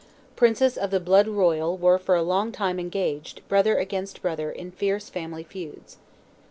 Princes of the blood royal were for a long time engaged, brother against brother, in fierce family feuds.